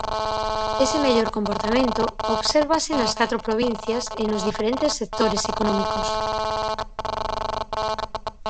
Ese mellor comportamento obsérvase nas catro provincias e nos diferentes sectores económicos.